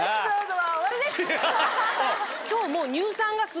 今日もう。